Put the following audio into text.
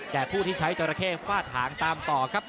ผู้ที่ใช้จราเข้ฟาดหางตามต่อครับ